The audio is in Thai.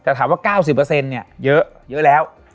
แต่ถามว่า๙๐เนี่ยเยอะแล้ว